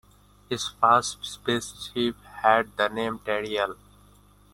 His first spaceship had the name "Tariel".